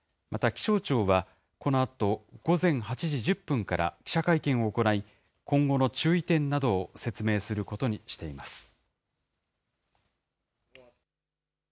また気象庁はこのあと午前８時１０分から記者会見を行い、今後の注意点などを説明することにしています。